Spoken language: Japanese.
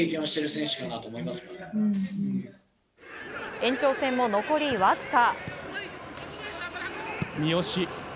延長戦も残りわずか。